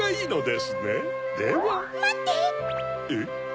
えっ？